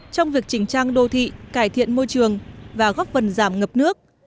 trong việc chỉnh trang đô thị cải thiện môi trường và góp phần giảm ngập nước